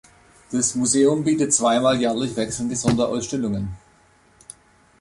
Das Museum bietet zweimal jährlich wechselnde Sonderausstellungen.